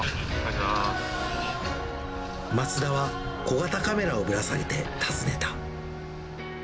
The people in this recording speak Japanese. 松田は小型カメラをぶら提げて、訪ねた。